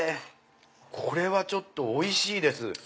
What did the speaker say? これはちょっとおいしいです！